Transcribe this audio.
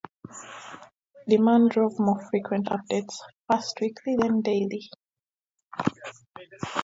Demand drove more frequent updates, first weekly, then daily.